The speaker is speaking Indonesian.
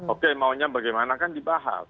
oke maunya bagaimana kan dibahas